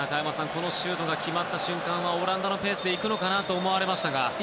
このシュートが決まった瞬間はオランダのペースで行くのかなと思いましたが。